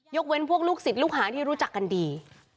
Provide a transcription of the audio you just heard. เว้นพวกลูกศิษย์ลูกหาที่รู้จักกันดี